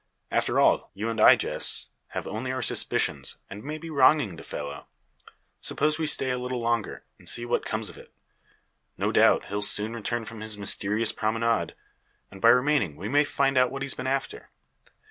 After all, you and I, Jess, have only our suspicions, and may be wronging the fellow. Suppose we stay a little longer, and see what comes of it. No doubt, he'll soon return from his mysterious promenade, and by remaining, we may find out what he's been after.